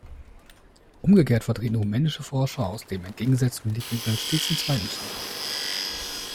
Umgekehrt vertreten rumänische Forscher aus dem entgegengesetzten Blickwinkel stets den zweiten Standpunkt.